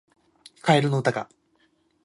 カエルの歌が